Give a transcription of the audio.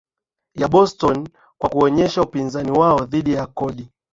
ya Boston kwa kuonyesha upinzani wao dhidi ya kodi